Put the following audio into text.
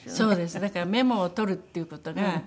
だからメモを取るっていう事が。